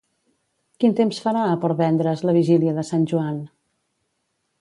Quin temps farà a Port Vendres la vigília de Sant Joan?